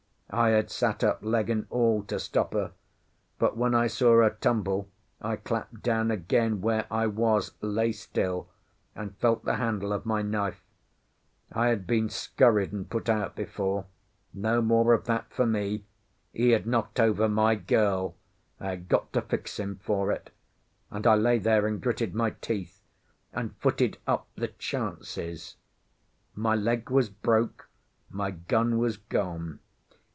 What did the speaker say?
I had sat up, leg and all, to stop her; but when I saw her tumble I clapped down again where I was, lay still, and felt the handle of my knife. I had been scurried and put out before. No more of that for me. He had knocked over my girl, I had got to fix him for it; and I lay there and gritted my teeth, and footed up the chances. My leg was broke, my gun was gone.